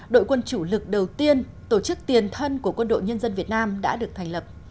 đội quân chủ lực đầu tiên tổ chức tiền thân của quân đội nhân dân việt nam đã được thành lập